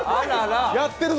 やってるぞ！